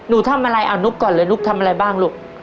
หนูทำอะไรเอานุ๊กก่อนเลยนุ๊กทำอะไรบ้างลูก